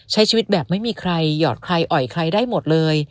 ใช้ชีวิตแบบไม่มีใครหยอดใครอ่อยใครได้หมดเลย